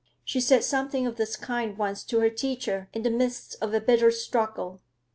She said something of this kind once to her teacher, in the midst of a bitter struggle.